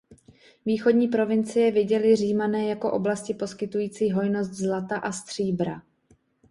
Východní provincie viděli Římané jako oblasti poskytující hojnost zlata a stříbra.